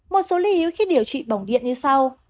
một số lý yếu khi điều trị bỏng điện như sau